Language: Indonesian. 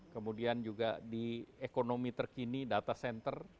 kemudian juga di ekonomi terkini data center